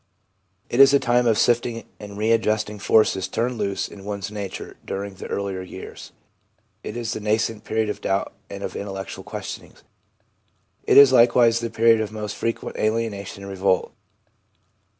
It is a time of sifting and readjusting forces turned loose in one's nature during the earlier years. It is the nascent period of doubt and of intellectual questionings. It is likewise the period of most frequent alienation and revolt.